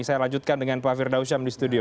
saya lanjutkan dengan pak firdausyam di studio